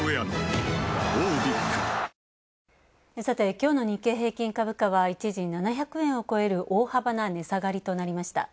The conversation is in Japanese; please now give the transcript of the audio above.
きょうの日経平均株価は、一時７００円を超える大幅な値下がりとなりました。